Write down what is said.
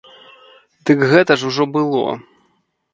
Дык гэта ж ужо было.